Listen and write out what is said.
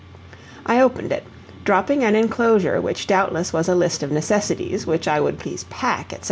I opened it, dropping an enclosure which doubtless was a list of necessities which I would please pack, etc.